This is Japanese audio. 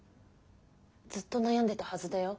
ずっと悩んでたはずだよ？